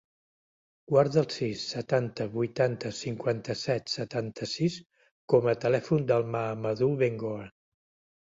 Guarda el sis, setanta, vuitanta, cinquanta-set, setanta-sis com a telèfon del Mahamadou Bengoa.